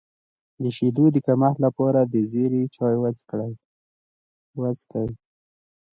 د شیدو د کمښت لپاره د زیرې چای وڅښئ